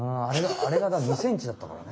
あれが２ｃｍだったからね。